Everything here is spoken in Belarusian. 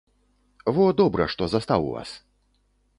Во добра, што застаў вас!